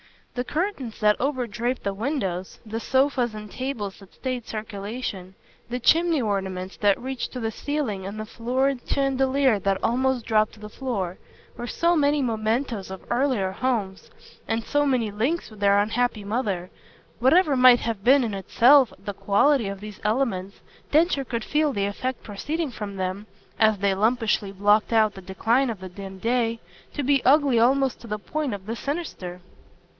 The curtains that overdraped the windows, the sofas and tables that stayed circulation, the chimney ornaments that reached to the ceiling and the florid chandelier that almost dropped to the floor, were so many mementoes of earlier homes and so many links with their unhappy mother. Whatever might have been in itself the quality of these elements Densher could feel the effect proceeding from them, as they lumpishly blocked out the decline of the dim day, to be ugly almost to the point of the sinister.